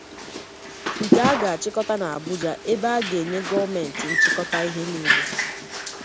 nke a ga-achịkọta na Abuja ebe ha ga-enye gọọmenti nchịkọta ihe niile.